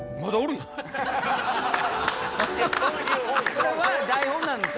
それは台本なんです。